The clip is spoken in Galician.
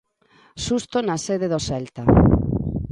Susto na sede do Celta.